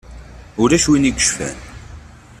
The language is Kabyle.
Ulac win i yecfan.